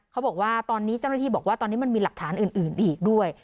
เขาบอกว่าตอนนี้เจ้าหน้าที่บอกว่าตอนนี้มันมีหลักฐานอื่นอีกด้วย